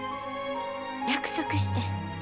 約束してん。